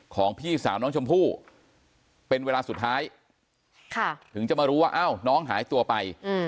ของพี่สาวน้องชมพู่เป็นเวลาสุดท้ายถึงจะมารู้ว่าน้องหายตัวไป